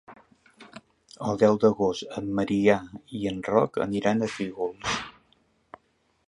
El deu d'agost en Maria i en Roc aniran a Fígols.